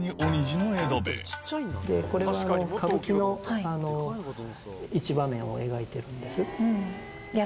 これは。を描いてるんです。